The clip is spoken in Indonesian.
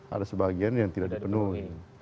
ada sebagian yang tidak dipenuhi